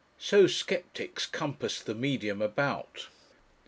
So sceptics compassed the Medium about.